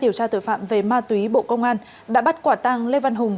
điều tra tội phạm về ma túy bộ công an đã bắt quả tang lê văn hùng